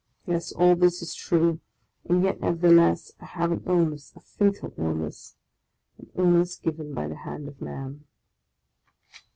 Yes, all this is true; and yet, nevertheless, I have an illness, a fatal illness, — an illness given by the hand of man